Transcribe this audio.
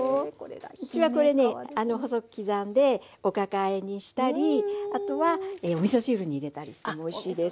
うちはこれね細く刻んでおかかあえにしたりあとはおみそ汁に入れたりしてもおいしいですよ。